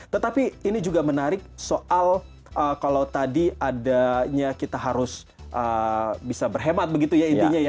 tetapi ini juga menarik soal kalau tadi adanya kita harus bisa berhemat begitu ya intinya ya